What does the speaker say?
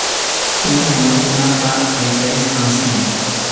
Huk runakunapa uyarisqan simi.